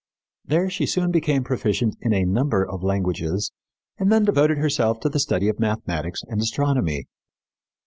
There she soon became proficient in a number of languages, and then devoted herself to the study of mathematics and astronomy.